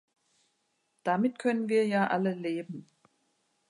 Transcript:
Damit können wir ja alle leben.